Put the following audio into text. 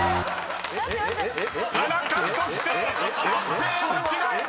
［田中そして三平間違えた！］